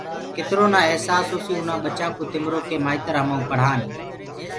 ڪترو نآ اهسآس هوسيٚ اُنآ ٻچآنٚڪو تِمرو ڪي مآئترهمآئون پڙهآني